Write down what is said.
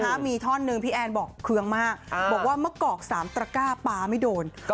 ข้อในวันนี้ก็มีท่อนหนึ่งพี่แอนบอกเคืองมากบอกว่ามะกอกสามตระก้าปลามิโดน